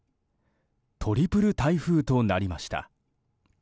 トリプル台風となりました。